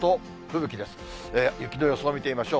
雪の予想見てみましょう。